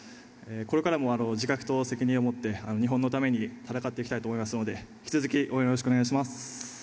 これからも自覚と責任を持って日本のために戦っていきたいと思いますので引き続き応援よろしくお願いします。